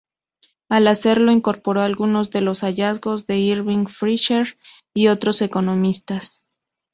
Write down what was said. Al hacerlo, incorporó algunos de los hallazgos de Irving Fisher y otros economistas.